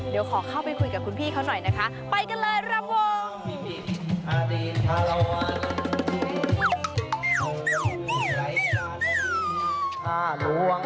เดี๋ยวขอเข้าไปคุยกับคุณพี่เขาหน่อยนะคะไปกันเลยครับวง